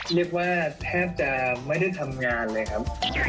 เรียกว่าแทบจะไม่ได้ทำงานเลยครับ